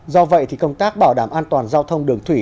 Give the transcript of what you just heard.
do vậy thì công tác bảo đảm an toàn giao thông đường thủy